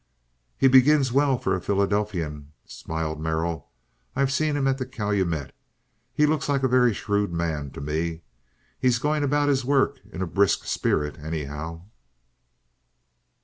"He begins well for a Philadelphian," smiled Merrill. "I've seen him at the Calumet. He looks like a very shrewd man to me. He's going about his work in a brisk spirit, anyhow."